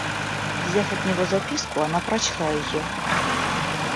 Взяв от него записку, она прочла ее.